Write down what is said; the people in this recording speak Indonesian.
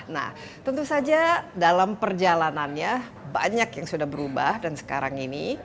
nah tentu saja dalam perjalanannya banyak yang sudah berubah dan sekarang ini